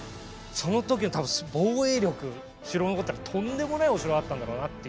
その時の多分防衛力城残ってたらとんでもないお城だったんだろうなっていう。